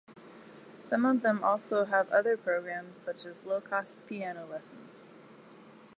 Some of them also have other programs, such as low cost piano lessons.